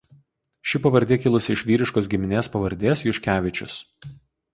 Ši pavardė kilusi iš vyriškos giminės pavardės Juškevičius.